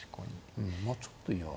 うんまあちょっと嫌。